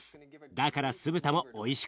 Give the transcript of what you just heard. だから酢豚もおいしくなる。